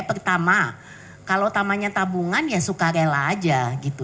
pertama kalau tamanya tabungan ya sukarela aja gitu